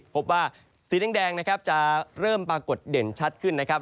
พบว่าสีแดงนะครับจะเริ่มปรากฏเด่นชัดขึ้นนะครับ